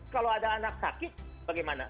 kalau ada anak sakit bagaimana